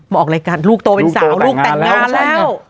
ออกรายการลูกโตเป็นสาวลูกแต่งงานแล้ว